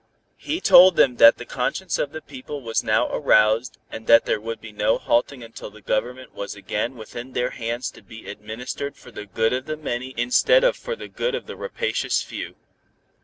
He told them that the conscience of the people was now aroused, and that there would be no halting until the Government was again within their hands to be administered for the good of the many instead of for the good of a rapacious few.